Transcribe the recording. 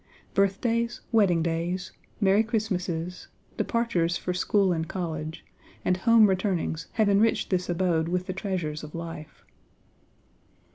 Birthdays, wedding days, 'Merry Christmases,' departures for school and college, and home returnings have enriched this abode with the treasures of life.